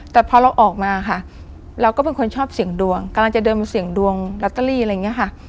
แต่พอเราออกมาค่ะเราก็เป็นคนชอบเสี่ยงดวงกำลังจะเดินมาเสี่ยงดวงลอตเตอรี่อะไรอย่างนี้ค่ะ